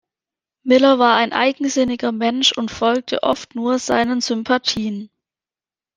Miller war ein eigensinniger Mensch und folgte oft nur seinen Sympathien.